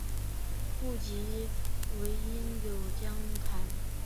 不及淮阴有将坛。